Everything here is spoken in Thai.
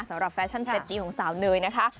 สำหรับแฟชั่นเซ็ตนี้ของสาวเนยนะคะ